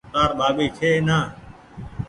تآري ٻآٻي ڇي نآ